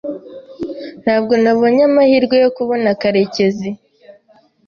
Ntabwo nabonye amahirwe yo kubona Karekezi.